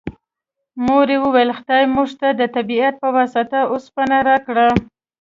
مور یې وویل خدای موږ ته د طبیعت په واسطه اوسپنه راکړه